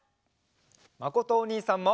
まことおにいさんも！